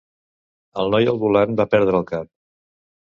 El noi al volant va perdre el cap.